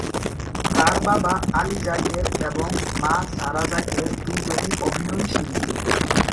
তার বাবা আলী যাকের এবং মা সারা যাকের দুজনই অভিনয়শিল্পী।